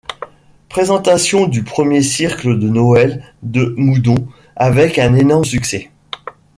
Présentation du premier Cirque de Noël de Moudon avec un énorme succès.